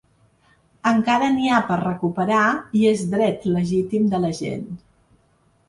Encara n’hi ha per recuperar i es dret legítim de la gent.